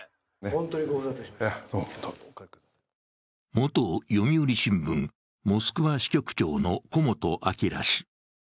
元読売新聞モスクワ支局長の古本朗氏。